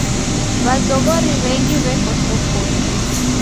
W'azoghori w'engi w'eko sokonyi.